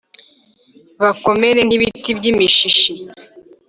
bakomera nk’ibiti by’imishishi!